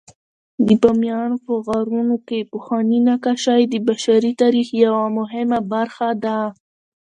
د بامیانو په غارونو کې پخواني نقاشۍ د بشري تاریخ یوه مهمه برخه ده.